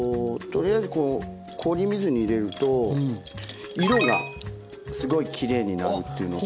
とりあえずこう氷水に入れると色がすごいきれいになるというのと。